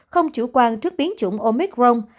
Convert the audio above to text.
không chủ quan trước biến chủng omicron